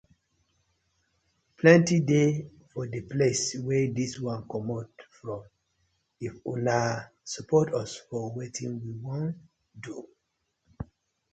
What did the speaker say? Plenty dey for di place wey dis one comot from if una support us for wetin we won do.